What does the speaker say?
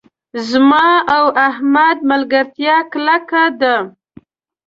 زما او احمد ملګرتیا کلکه ده.